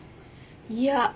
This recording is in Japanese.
いや